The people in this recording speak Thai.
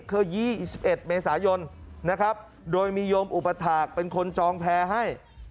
คือ๒๑เมษายนนะครับโดยมีโยมอุปถาคเป็นคนจองแพร่ให้